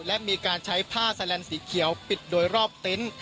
และมีการใช้ผ้าแลนสีเขียวปิดโดยรอบเต็นต์